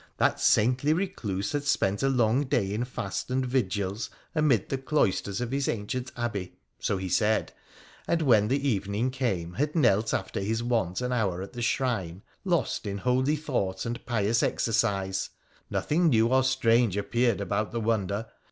That saintly recluse had spent a long day in fast and vigils amid the cloisters of his ancient abbey — so he said — and when the evening came had knelt after his wont an hour at the shrine, lost in holy thought and pious exercise. Nothing new or strange appeared about the Wonder.